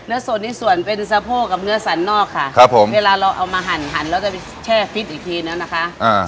เนื้อสดที่ส่วนเป็นสะโพกกับเนื้อสันนอกค่ะเวลาเราเอามาหั่นเราจะแช่ฟิสอีกทีเนอะนะคะ